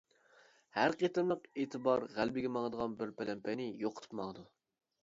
ھەر قېتىملىق ئېتىبار غەلىبىگە ماڭىدىغان بىر پەلەمپەينى يوقىتىپ ماڭىدۇ.